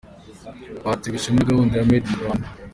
Batewe ishema na gahunda ya Made in Rwanda.